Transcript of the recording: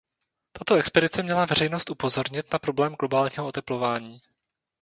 Tato expedice měla veřejnost upozornit na problém globálního oteplování.